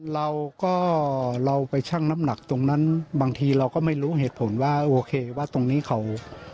เราก็เราไปชั่งน้ำหนักตรงนั้นบางทีเราก็ไม่รู้เหตุผลว่าโอเคว่าตรงนี้เขา